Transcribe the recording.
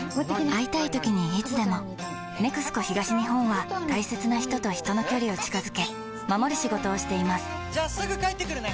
会いたいときにいつでも「ＮＥＸＣＯ東日本」は大切な人と人の距離を近づけ守る仕事をしていますじゃあすぐ帰ってくるね！